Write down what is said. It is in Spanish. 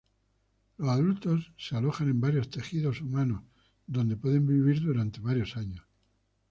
Los adultos se alojan en varios tejidos humanos donde pueden vivir durante varios años.